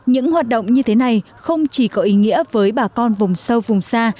những hoạt động như thế này không chỉ có ý nghĩa với bà con vùng sâu vùng xa